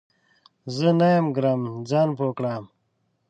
زه نه یم ګرم ، ځان پوه کړه !